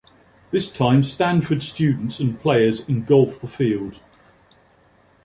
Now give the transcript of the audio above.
This time Stanford students and players engulfed the field.